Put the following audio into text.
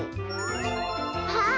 あっ。